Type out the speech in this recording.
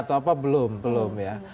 atau apa belum belum ya